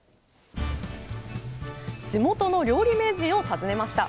地元の料理名人を訪ねました